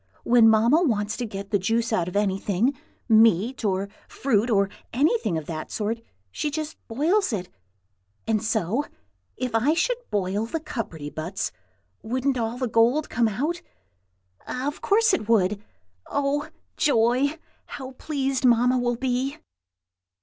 When Mamma wants to get the juice out of anything, meat, or fruit, or anything of that sort, she just boils it. And so, if I should boil the cupperty buts, wouldn't all the gold come out? Of course it would! Oh, joy! how pleased Mamma will be!"